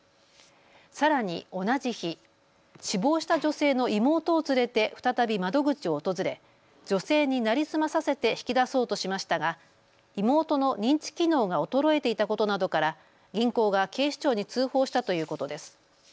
さらに同じ日、死亡した女性の妹を連れて再び窓口を訪れ女性に成り済まさせて引き出そうとしましたが妹の認知機能が衰えていたことなどから銀行が警視庁に通報したということです。